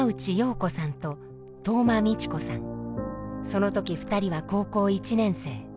その時２人は高校１年生。